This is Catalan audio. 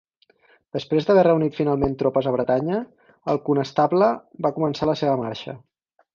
Després d'haver reunit finalment tropes a Bretanya, el conestable va començar la seva marxa.